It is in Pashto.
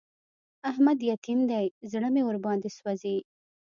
احمد يتيم دی؛ زړه مې ور باندې سوځي.